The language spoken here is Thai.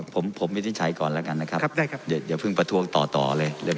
ผมวินิจฉัยก่อนแล้วกันนะครับเดี๋ยวพึ่งประท้วงต่อเลย